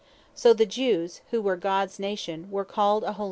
So the Jews, who were Gods Nation, were called (Exod.